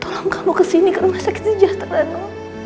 tolong kamu kesini ke rumah sakit sejahtera dong